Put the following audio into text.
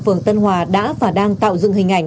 phường tân hòa đã và đang tạo dựng hình ảnh